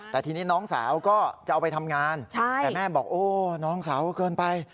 แต่ทีนี้น้องสาวก็จะเอาไปทำงานแต่แม่บอกโอ้น้องสาวเกินไป